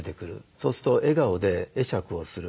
そうすると笑顔で会釈をする。